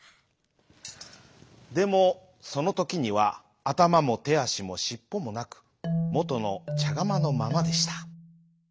でもそのときにはあたまもてあしもしっぽもなくもとのちゃがまのままでした。